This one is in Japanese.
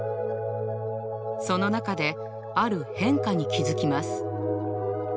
その中である変化に気づきます。